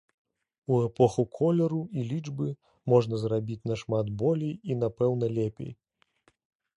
У эпоху колеру і лічбы можна зрабіць нашмат болей і, напэўна, лепей.